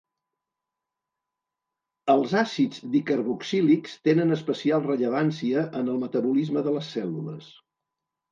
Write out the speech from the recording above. Els àcids dicarboxílics tenen especial rellevància en el metabolisme de les cèl·lules.